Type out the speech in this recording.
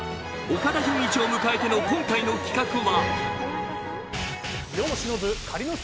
岡田准一を迎えての本日の進行は。